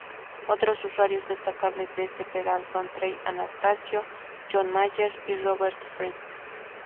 Otros usuarios destacables de este pedal son Trey Anastasio, John Mayer y Robert Fripp.